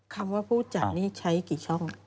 คำว่าผู้จัดนี่ใช้กี่ช่อง